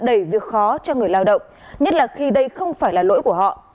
cơ quan thuế không phải là lỗi của người lao động nhất là khi đây không phải là lỗi của họ